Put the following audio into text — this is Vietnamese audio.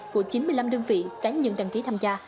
của chín mươi năm đơn vị cá nhân đăng ký tham gia